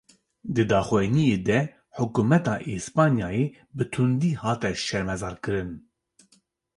Di daxuyaniyê de hukûmeta Îspanyayê, bi tundî hate şermezarkirin